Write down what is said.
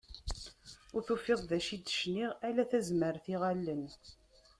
Ur tufiḍ d acu i d-cniɣ, ala tazmert iɣallen.